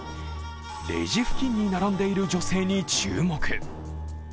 レジ付近に並んでいる女性に注目。